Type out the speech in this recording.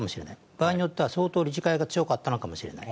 場合によっては、相当理事会が強かったのかもしれない。